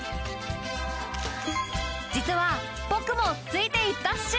実は僕もついていったっシュ。